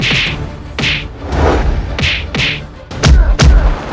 bahkan kau datang ya ku coba melihatnya